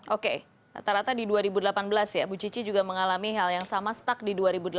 oke rata rata di dua ribu delapan belas ya bu cici juga mengalami hal yang sama stuck di dua ribu delapan belas